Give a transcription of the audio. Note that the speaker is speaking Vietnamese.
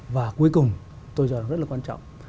và cuối cùng tôi cho rất là quan trọng